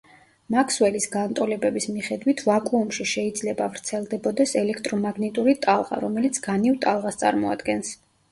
მაქსველის განტოლებების მიხედვით ვაკუუმში შეიძლება ვრცელდებოდეს ელექტრომაგნიტური ტალღა, რომელიც განივ ტალღას წარმოადგენს.